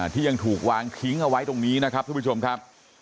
ที่ยังถูกวางทิ้งเอาไว้ตรงนี้นะครับทุกผู้ชมครับ